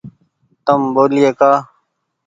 تم ٻولئي ڪآ ۔